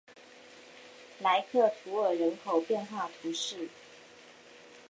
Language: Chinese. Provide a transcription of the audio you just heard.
莱克图尔人口变化图示